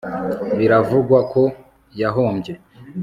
Biravugwa ko yahombye